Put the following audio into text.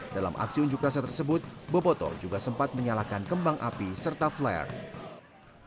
dalam aksi unjuk rasa tersebut boboto juga sempat menyalakan kembang api serta flare